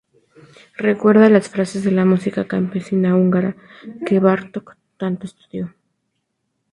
Recuerda las frases de la música campesina húngara que Bartok tanto estudió.